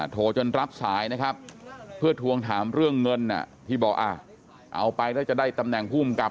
โทรจนรับสายนะครับเพื่อทวงถามเรื่องเงินที่บอกเอาไปแล้วจะได้ตำแหน่งภูมิกับ